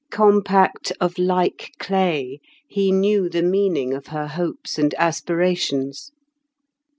Compact of like clay, he knew the meaning of her hopes and aspirations.